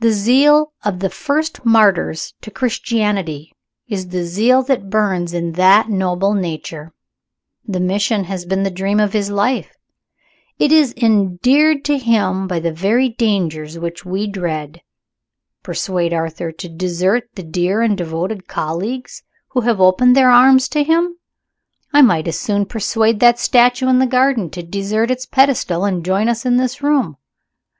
The zeal of the first martyrs to Christianity is the zeal that burns in that noble nature. The Mission has been the dream of his life it is endeared to him by the very dangers which we dread. Persuade Arthur to desert the dear and devoted colleagues who have opened their arms to him? I might as soon persuade that statue in the garden to desert its pedestal, and join us in this room.